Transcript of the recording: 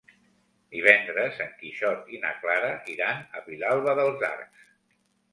Divendres en Quixot i na Clara iran a Vilalba dels Arcs.